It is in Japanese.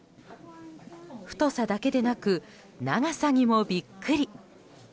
太さだけでなく長さにもビックリ。